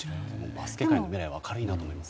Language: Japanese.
バスケ界の未来は明るいなと思います。